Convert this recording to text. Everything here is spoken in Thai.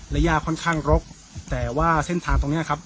และย่าค่อนข้างรกแต่ว่าเส้นทางตรงเนี้ยครับ